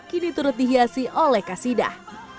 kini turut dihiasi oleh kasidah